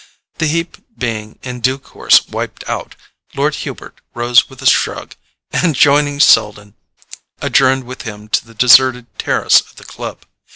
The heap being in due course wiped out, Lord Hubert rose with a shrug, and joining Selden, adjourned with him to the deserted terrace of the club.